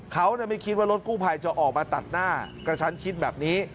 เขาไม่คิดว่ารถกู้ภัยจะออกมาตัดหน้ากระชั้นชิดแบบนี้